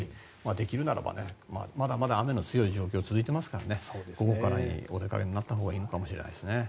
できるならばまだまだ雨の強い状況が続いていますから午後からお出かけになったほうがいいのかもしれないですね。